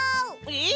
えっ！